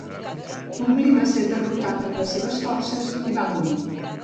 Publi va ser derrotat amb les seves forces i va morir.